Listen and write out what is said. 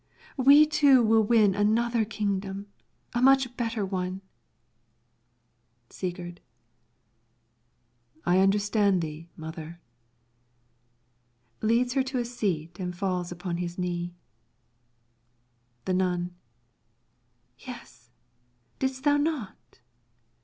We two will win another kingdom, a much better one. Sigurd I understand thee, mother. [Leads her to a seat, and falls upon his knee.] The Nun Yes, dost thou not?